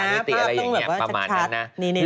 ภาพสามิติอะไรอย่างนี้ประมาณนั้นนะนะขัดนินเรียน